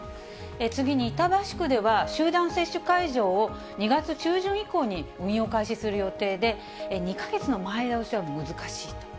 次に板橋区では、集団接種会場を２月中旬以降に運用開始する予定で、２か月の前倒しは難しいと。